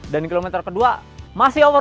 dan kilometer kedua masih over